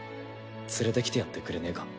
連れてきてやってくれねえか。